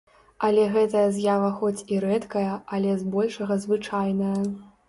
Але гэтая з'ява хоць і рэдкая, але збольшага звычайная.